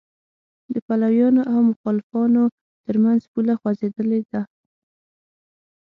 د پلویانو او مخالفانو تر منځ پوله خوځېدلې ده.